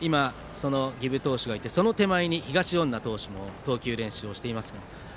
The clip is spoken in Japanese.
儀部投手がいてその手前で東恩納投手も投球練習をしています。